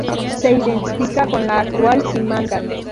Se identifica con la actual Simancas.